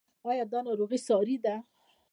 ایا دا ناروغي ساری ده؟